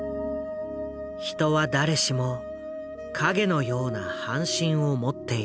人は誰しも影のような半身を持っている。